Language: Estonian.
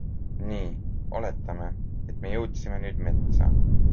Nii, oletame, et me jõudsime nüüd metsa.